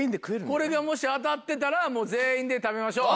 これがもし当たってたら全員で食べましょう。